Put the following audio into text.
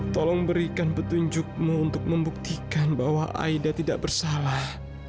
tolong berikan petunjukmu untuk membuktikan bahwa aida tidak bersalah